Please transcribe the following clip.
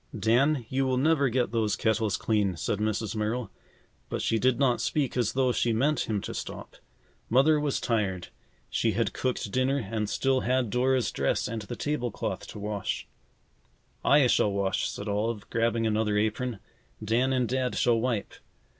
"Dan, you will never get those kettles clean," said Mrs. Merrill, but she did not speak as though she meant him to stop. Mother was tired. She had cooked dinner and still had Dora's dress and the table cloth to wash. "I shall wash," said Olive, grabbing another apron. "Dan and Dad shall wipe.